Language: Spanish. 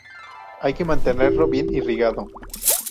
Hay que mantenerlo bien irrigado.